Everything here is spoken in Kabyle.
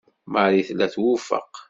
Marie tella twufeq.